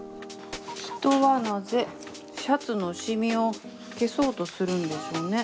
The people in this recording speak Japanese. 人はなぜシャツのシミを消そうとするんでしょうね。